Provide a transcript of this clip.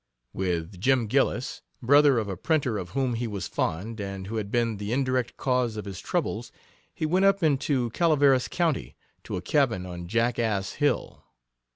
With Jim Gillis, brother of a printer of whom he was fond, and who had been the indirect cause of his troubles, he went up into Calaveras County, to a cabin on jackass Hill.